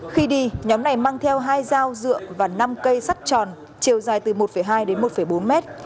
khi đi nhóm này mang theo hai dao dựa và năm cây sắt tròn chiều dài từ một hai đến một bốn mét